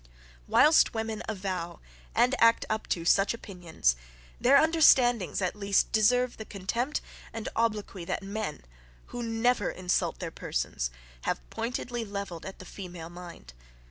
Whilst women avow, and act up to such opinions, their understandings, at least, deserve the contempt and obloquy that men, WHO NEVER insult their persons, have pointedly levelled at the female mind.